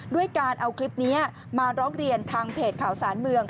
ด้วยการเอาคลิปนี้มาร้องเรียนทางเพจข่าวสารเมือง